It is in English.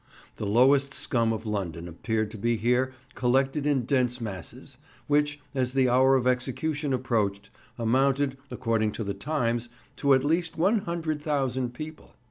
The lowest scum of London appeared to be here collected in dense masses, which, as the hour of execution approached, amounted, according to the Times, to at least 100,000 people.